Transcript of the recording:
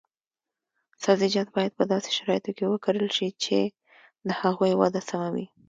سبزیجات باید په داسې شرایطو کې وکرل شي چې د هغوی وده سمه وي.